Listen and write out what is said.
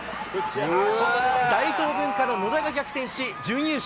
大東文化の野田が逆転し、準優勝。